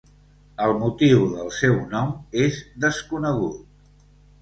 El motiu del seu nom és desconegut.